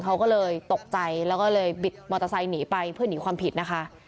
เขาก็เลยตกใจแล้วก็เลยบิดมอเตอร์ไซค์หนีไปเพื่อหนีความผิดนะคะ